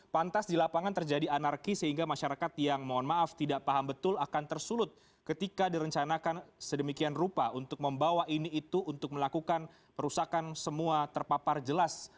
pantas di lapangan terjadi anarki sehingga masyarakat yang mohon maaf tidak paham betul akan tersulut ketika direncanakan sedemikian rupa untuk membawa ini itu untuk melakukan perusakan semua terpapar jelas